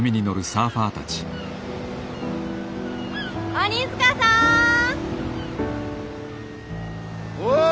・鬼塚さん！おう！